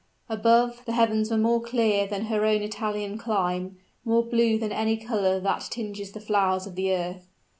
Above, the heavens were more clear than her own Italian clime, more blue than any color that tinges the flowers of the earth.